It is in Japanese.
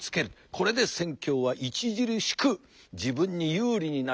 これで戦況は著しく自分に有利になる。